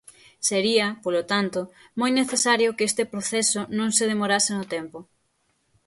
Sería, polo tanto, moi necesario que este proceso non se demorase no tempo.